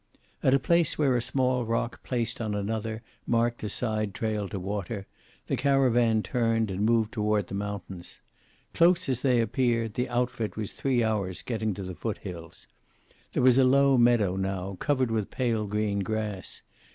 At a place where a small rock placed on another marked a side trail to water, the caravan turned and moved toward the mountains. Close as they appeared, the outfit was three hours getting to the foot hills. There was a low meadow now, covered with pale green grass.